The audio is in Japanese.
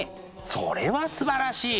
それはすばらしい！